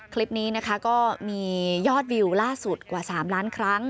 คลิปนี้นะคะก็มียอดวิวล่าสุดกว่า๓ล้านครั้ง